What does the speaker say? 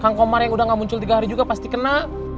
kang komar yang udah gak muncul tiga hari juga pasti kena